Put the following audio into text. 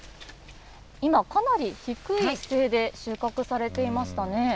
今、かなり低い姿勢で収穫されていましたね。